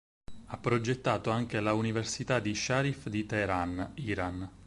Ha progettato anche la Università di Sharif di Tehran, Iran.